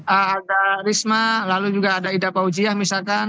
ada risma lalu juga ada ida fauziah misalkan